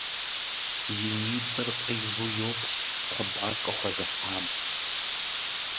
И нитӏыр къижу йоплъ хъыбар къыхуэзыхьам.